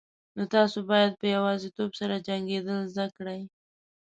نو تاسو باید په یوازیتوب سره جنگیدل زده کړئ.